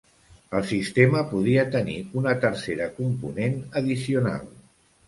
El sistema podria tenir una tercera component addicional.